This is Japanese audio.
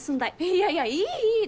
いやいやいいいい。